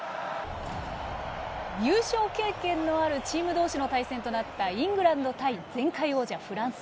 優勝経験のあるチーム同士の対戦となったイングランド対前回王者フランス。